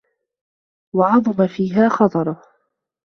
وَعَظُمَ فِيهَا خَطَرُهُ